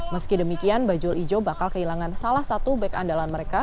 meski demikian bajul ijo bakal kehilangan salah satu back andalan mereka